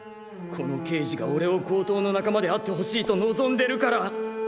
この刑事がおれをごうとうの仲間であってほしいと望んでるから！？